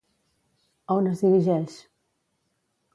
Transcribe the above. A on es dirigeix?